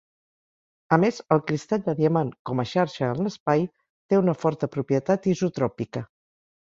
A més, el cristall de diamant, com a xarxa en l'espai, té una forta propietat isotròpica.